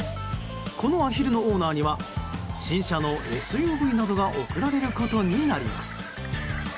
このアヒルのオーナーには新車のＳＵＶなどが贈られることになります。